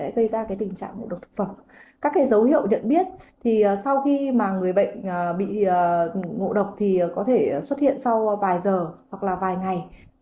các dấu hiệu nhận biết sau khi người bệnh bị ngộ độc có thể xuất hiện sau vài giờ hoặc vài ngày